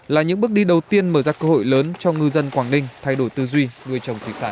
là những bước đi đầu tiên mở ra cơ hội lớn cho ngư dân quảng ninh thay đổi tư duy nuôi trồng thủy sản